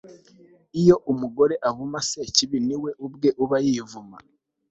iyo umugome avuma sekibi ni we ubwe uba yivuma